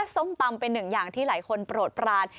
ส้มตำเป็นหนึ่งอย่างที่หลายคนโปรดปราน